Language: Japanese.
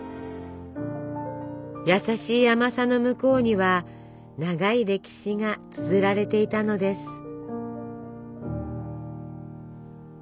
優しい甘さの向こうには長い歴史がつづられていたのです。